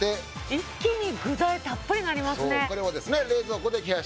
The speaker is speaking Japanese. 一気に具材たっぷりになりますね。